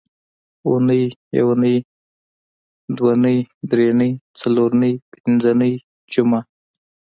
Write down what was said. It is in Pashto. اونۍ، یونۍ، دونۍ، درېنۍ، څلورنۍ، پینځنۍ، جمعه